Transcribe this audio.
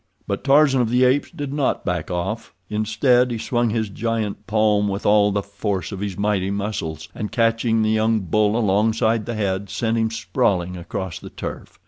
But Tarzan of the Apes did not back off. Instead, he swung his giant palm with all the force of his mighty muscles, and, catching the young bull alongside the head, sent him sprawling across the turf.